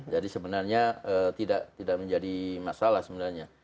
jadi sebenarnya tidak menjadi masalah sebenarnya